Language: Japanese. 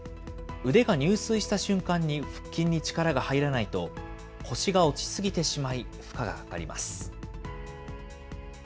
腕が入水した瞬間に腹筋に力が入らないと、腰が落ちすぎてしまい、負荷がかかります。